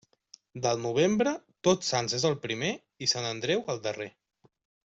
Del novembre, Tots Sants és el primer i Sant Andreu el darrer.